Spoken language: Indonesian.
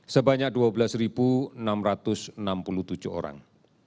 sebanyak dua belas enam ratus enam puluh tujuh orang